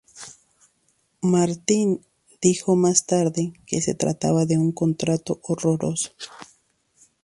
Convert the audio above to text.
Martin dijo más tarde que se trataba de un contrato "horroroso".